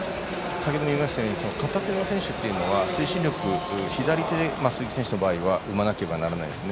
先ほども言いましたように片手の選手は推進力を鈴木選手の場合は左手で生まなければならないですね。